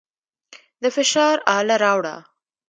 د فشار اله راوړه.